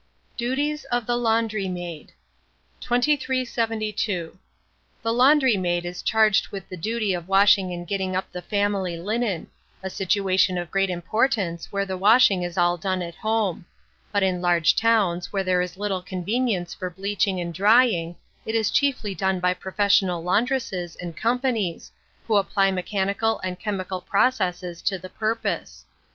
DUTIES OF THE LAUNDRY MAID. 2372. The laundry maid is charged with the duty of washing and getting up the family linen, a situation of great importance where the washing is all done at home; but in large towns, where there is little convenience for bleaching and drying, it is chiefly done by professional laundresses and companies, who apply mechanical and chemical processes to the purpose.